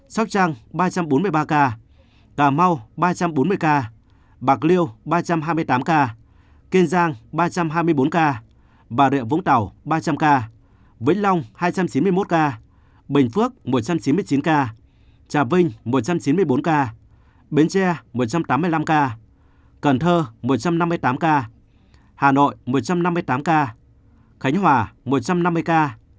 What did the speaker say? xóc trăng ba trăm bốn mươi ba ca cà mau ba trăm bốn mươi ca bạc liêu ba trăm hai mươi tám ca kiên giang ba trăm hai mươi bốn ca bà rịa vũng tảo ba trăm linh ca vĩnh long hai trăm chín mươi một ca bình phước một trăm chín mươi chín ca trà vinh một trăm chín mươi bốn ca bến tre một trăm tám mươi năm ca cần thơ một trăm năm mươi tám ca hà nội một trăm năm mươi tám ca khánh hòa một trăm năm mươi ca